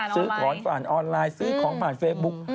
ซื้อของผ่านออนไลน์ซื้อของผ่านเฟซบุ๊ก